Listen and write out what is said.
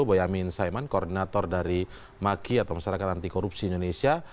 boyamin saiman koordinator dari maki atau masyarakat anti korupsi indonesia